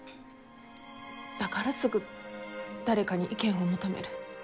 だからすぐ誰かに意見を求める。